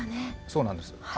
そうなんです。